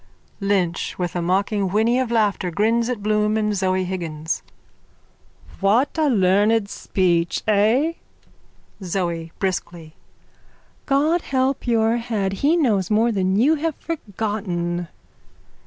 _ LYNCH: (With a mocking whinny of laughter grins at Bloom and Zoe Higgins.) What a learned speech, eh? ZOE: (Briskly.) God help your head, he knows more than you have forgotten.